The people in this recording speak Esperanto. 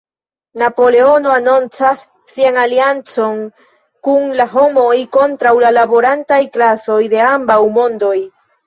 Napoleono anoncas sian aliancon kun la homoj, kontraŭ la laborantaj klasoj de ambaŭ "mondoj.